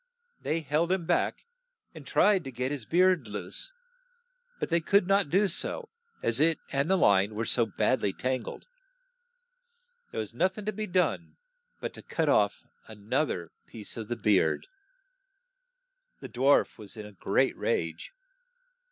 They held him back, and tried to get his beard loose, but they could not do so as it and the line were so bad ly tangled. There was noth ing to be done but to cut off an oth er piece of the beard. 34 SNOW WHITE AND RED ROSE The dwarf was in a great rage.